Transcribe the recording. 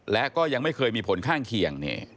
และก็ยังไม่เคยมีผลข้างเคียง